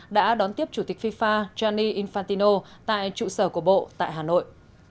đã đón tiếp chủ tịch fifa chani infantino tại trụ sở của bộ tại hà nội